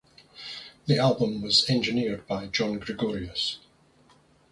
The album was engineered by John Gregorius.